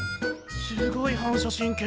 すごい反射神経。